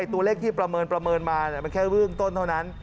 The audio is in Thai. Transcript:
ตัวเลขที่ประเมินมามันแค่เบื้องต้นเท่านั้น